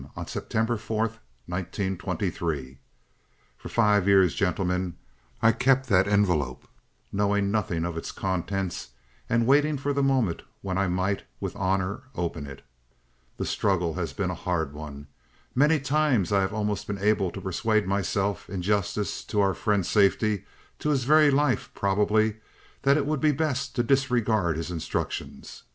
on September 4th, 1923.' For five years, gentlemen, I kept that envelope, knowing nothing of its contents and waiting for the moment when I might, with honor, open it. The struggle has been a hard one. Many times I have almost been able to persuade myself, in justice to our friend's safety his very life, probably that it would be best to disregard his instructions.